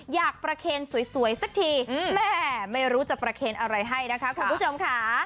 อยากประเคนสวยสักทีแม่ไม่รู้จะประเคนอะไรให้นะคะคุณผู้ชมค่ะ